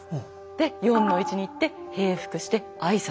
で「四」の位置に行って平伏して挨拶。